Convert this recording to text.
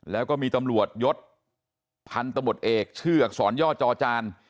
แล้วก็มีตำรวจยศพันตบทเอกชื่ออักษรย่อจอจาน